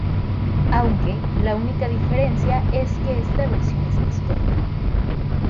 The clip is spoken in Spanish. Aunque, la única diferencia es que esta versión es más corta.